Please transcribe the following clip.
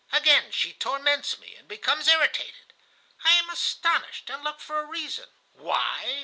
Again she torments me, and becomes irritated. I am astonished and look for a reason.